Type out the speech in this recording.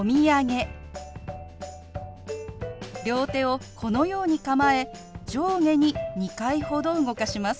両手をこのように構え上下に２回ほど動かします。